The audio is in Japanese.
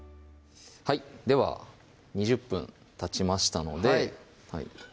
はいでは２０分たちましたのではい